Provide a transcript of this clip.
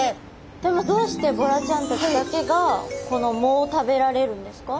でもどうしてボラちゃんたちだけがこの藻を食べられるんですか？